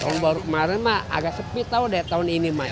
tahun baru kemarin mah agak sepi tahu deh tahun ini mah